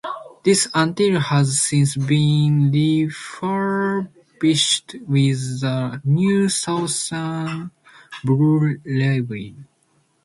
This unit has since been refurbished with the new Southeastern blue livery.